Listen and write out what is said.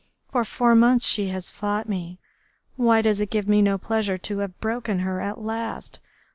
For four months she has fought me. Why does it give me no pleasure to have broken her at last?